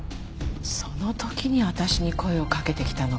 その時に私に声をかけてきたのか。